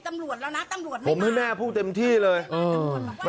ตำรวจแล้วนะตำรวจผมให้แม่พูดเต็มที่เลยอืม